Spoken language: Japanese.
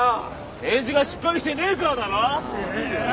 政治がしっかりしてねえからだろ。え！？